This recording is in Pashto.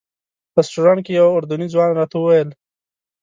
رسټورانټ کې یو اردني ځوان راته وویل.